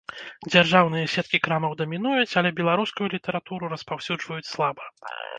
Дзяржаўныя сеткі крамаў дамінуюць, але беларускую літаратуру распаўсюджваюць слаба.